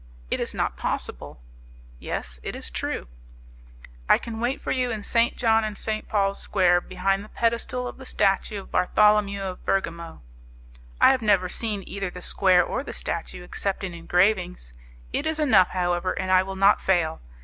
"It is not possible." "Yet it is true." "I can wait for you in St. John and St. Paul's Square behind the pedestal of the statue of Bartholomew of Bergamo." "I have never seen either the square or the statue except in engravings; it is enough, however, and I will not fail.